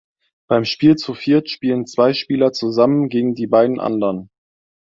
Beim Spiel zu viert spielen zwei Spieler zusammen gegen die beiden anderen.